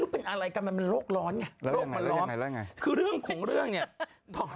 เป็นอะไรละกันมันโลกร้อนไงโลกมันร้อนคือเรื่องของเรื่องเนี่ยแล้วอย่างไร